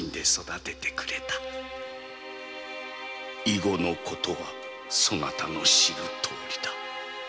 「以後のことはそなたの知るとおりだ」